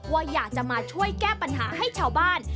ว่าอยากจะมาช่วยแก้ปัญหาให้ชาวบ้าน